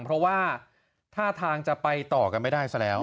เพราะว่าท่าทางจะไปต่อกันไม่ได้ซะแล้ว